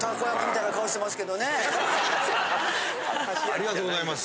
ありがとうございます。